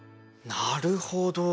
なるほど。